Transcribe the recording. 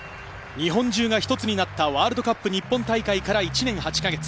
日本中が一つになったワールドカップ日本大会から１年８か月。